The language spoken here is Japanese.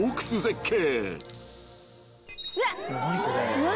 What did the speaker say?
うわ。